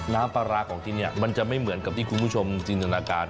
น้ำปลาร้าของที่นี่มันจะไม่เหมือนกับที่คุณผู้ชมจินตนาการ